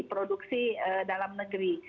produksi dalam negeri